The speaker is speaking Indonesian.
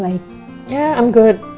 ya aku baik baik